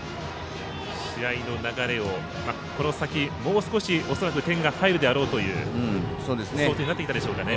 試合の流れをこの先恐らく、もう少し点が入るだろうという想定になってきたでしょうかね。